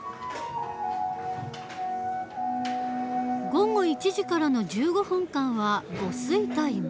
午後１時からの１５分間は午睡タイム。